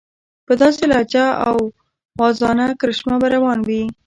په داسې لهجه او واعظانه کرشمه به روان وي.